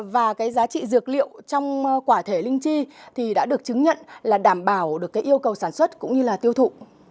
và cái giá trị dược liệu trong quả thể linh chi thì đã được chứng nhận là đảm bảo được cái yêu cầu sản xuất cũng như là tiêu thụ